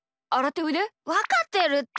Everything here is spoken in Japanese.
わかってるって！